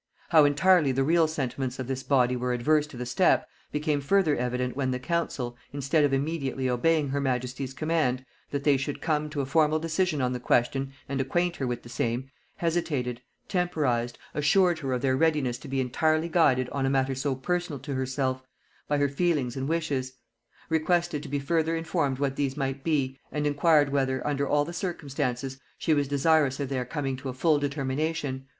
How entirely the real sentiments of this body were adverse to the step, became further evident when the council, instead of immediately obeying her majesty's command, that they should come to a formal decision on the question and acquaint her with the same, hesitated, temporized, assured her of their readiness to be entirely guided on a matter so personal to herself, by her feelings and wishes; requested to be further informed what these might be, and inquired whether, under all the circumstances, she was desirous of their coming to a full determination.